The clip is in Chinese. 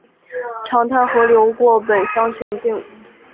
长滩河流过本乡全境。